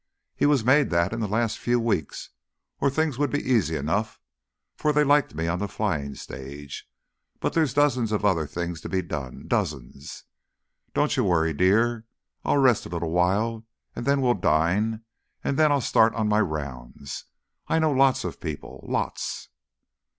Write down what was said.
"He was made that in the last few weeks ... or things would be easy enough, for they liked me on the flying stage. But there's dozens of other things to be done dozens. Don't you worry, dear. I'll rest a little while, and then we'll dine, and then I'll start on my rounds. I know lots of people lots."